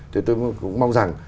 thì tôi cũng mong rằng